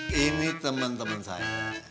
ini teman teman saya